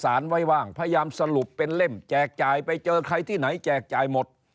ไว้ว่างพยายามสรุปเป็นเล่มแจกจ่ายไปเจอใครที่ไหนแจกจ่ายหมด